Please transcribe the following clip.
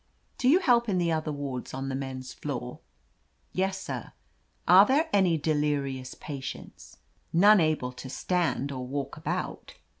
"Do you help in the other wards on the men's floor?" "Yes, sir." "Are there any delirious patients ?" "None able to stand or walk about."